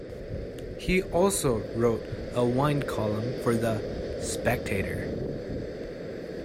He also wrote a wine column for "The Spectator".